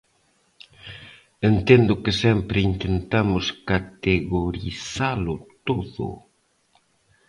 Entendo que sempre intentamos categorizalo todo.